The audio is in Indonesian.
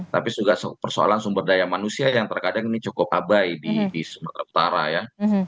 tapi juga persoalan sumber daya manusia yang terkadang ini cukup abai di sumatera utara ya